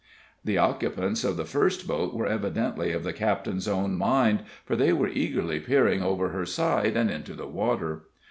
The occupants of the first boat were evidently of the captain's own mind, for they were eagerly peering over her side, and into the water.